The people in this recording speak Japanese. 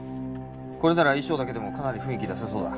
これなら衣装だけでもかなり雰囲気出せそうだ。